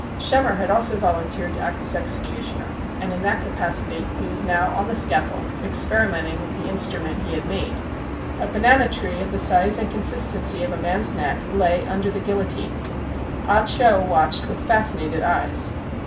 Schemmer had also volunteered to act as executioner, and in that capacity he was now on the scaffold, experimenting with the instrument he had made. A banana tree, of the size and consistency of a man's neck, lay under the guillotine. Ah Cho watched with fascinated eyes.